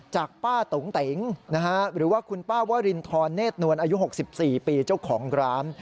จากป้าตุ๋งติ๋งหรือว่าคุณป้าว่า